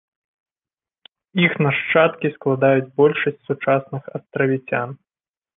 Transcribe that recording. Іх нашчадкі складаюць большасць сучасных астравіцян.